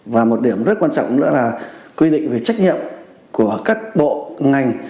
và một điểm rất quan trọng nữa là quy định về trách nhiệm của các bộ ngành